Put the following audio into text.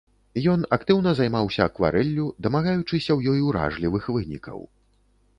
Ён актыўна займаўся акварэллю, дамагаючыся ў ёй уражлівых вынікаў.